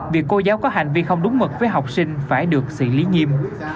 việc cô giáo có hành vi không đúng mực với học sinh phải được xử lý nghiêm